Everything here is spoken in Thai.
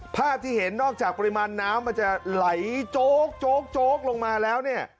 ภาพที่เห็นนอกจากปริมาณน้ำมันจะไหลโจ๊กโจ๊กลงมาแล้วเนี่ย